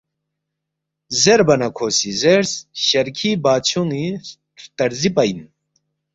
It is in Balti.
زیربا نہ کھو سی زیرس، ”شرکھی بادشونگ ن٘ی ہرتارزی پا اِن